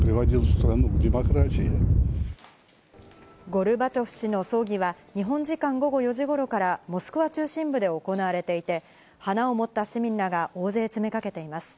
ゴルバチョフ氏の葬儀は、日本時間午後４時ごろから、モスクワ中心部で行われていて、花を持った市民らが大勢詰めかけています。